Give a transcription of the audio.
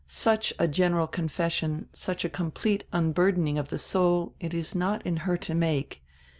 Such a general confession, such a complete unburdening of the soul, it is not in her to make.